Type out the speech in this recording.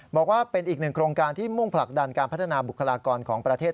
บอกว่าเป็นอีกหนึ่งโครงการที่มุ่งผลักดันการพัฒนาบุคลากรของประเทศ